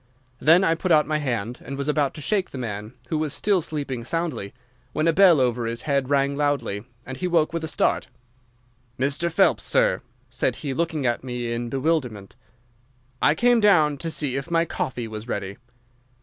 Then I put out my hand and was about to shake the man, who was still sleeping soundly, when a bell over his head rang loudly, and he woke with a start. "'Mr. Phelps, sir!' said he, looking at me in bewilderment. "'I came down to see if my coffee was ready.